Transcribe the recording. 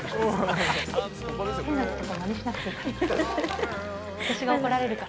変なところまねしなくていいから。